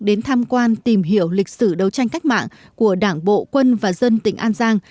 đến tham quan tìm hiểu lịch sử đấu tranh cách mạng của đảng bộ quân và dân tỉnh an giang